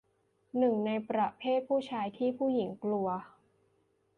หนึ่งในประเภทผู้ชายที่ผู้หญิงกลัว